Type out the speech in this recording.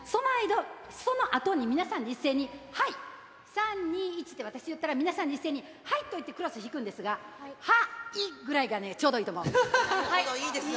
そのあとに、皆さんで一斉に、はい、３、２、１と私が言ったら、皆さん、一斉にはい、と言ってクロス引くんですが、は、い、なるほど、いいですよ。